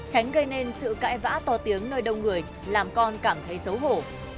tránh gây nên sự cãi vã to tiếng nơi đông người làm con cảm thấy xấu hổ